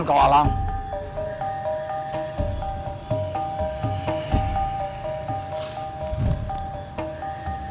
sampai jumpa lagi